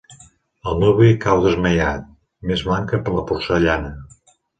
El nuvi cau desmaiat, més blanc que la porcellana.